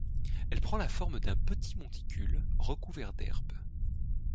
Elle prend la forme d’un petit monticule recouvert d’herbe.